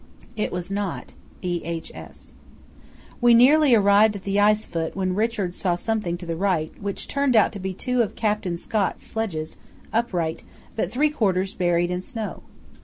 [It was not.—E.H.S.] We nearly arrived at the ice foot when Richards saw something to the right, which turned out to be two of Captain Scott's sledges, upright, but three quarters buried in snow.